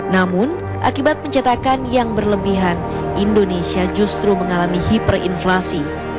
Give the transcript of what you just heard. namun akibat pencetakan yang berlebihan indonesia justru mengalami hiperinflasi